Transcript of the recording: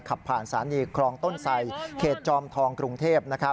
ขับผ่านสถานีครองต้นไสเขตจอมทองกรุงเทพ